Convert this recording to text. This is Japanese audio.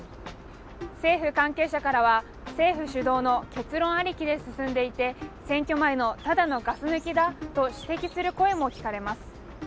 政府関係者からは、政府主導の結論ありきで進んでいて選挙前のただのガス抜きだと指摘する声も聞かれます。